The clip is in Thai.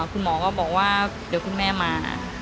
คุณหมอก็บอกว่าเดี๋ยวคุณแม่มา